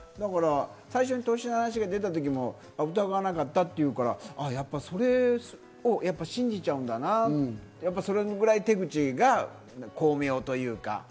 最初に投資の話が出た時も疑わなかったっていうからやっぱり、信じちゃうんだな、そのぐらい手口が巧妙というか。